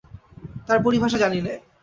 তার পরিভাষা জানি নে।